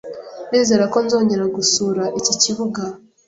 Ndizera ko nzongera gusura iki kibuga.